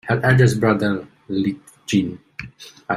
Her eldest brother, Lt-Gen.